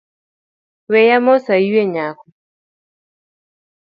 Weya mos ayue nyako